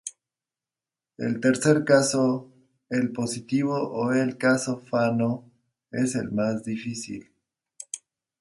El tercer caso, el positivo o el caso Fano, es el más difícil.